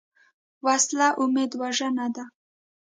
وسله امید وژنه ده